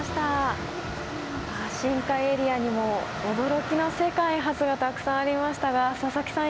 深海エリアにも驚きの世界初がたくさんありましたが佐々木さん